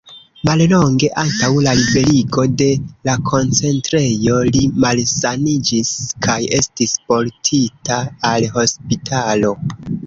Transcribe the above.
Mallonge antaŭ la liberigo de la koncentrejo, li malsaniĝis kaj estis portita al hospitalo.